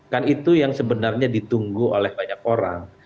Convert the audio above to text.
kan itu yang sebenarnya ditunggu oleh banyak orang